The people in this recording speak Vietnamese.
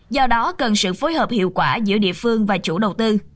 do đó cần sự phối hợp hiệu quả giữa địa phương và chủ đầu tư